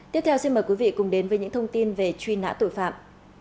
tiếp theo xin mời quý vị cùng đến với những thông tin về truy nã tội phạm